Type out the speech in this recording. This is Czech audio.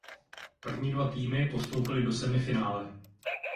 První dva týmy postoupily do semifinále.